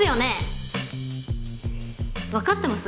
⁉分かってます？